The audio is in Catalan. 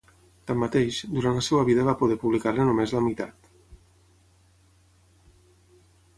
Tanmateix, durant la seva vida va poder publicar-ne només la meitat.